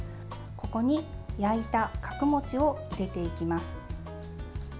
ここに焼いた角餅を入れていきます。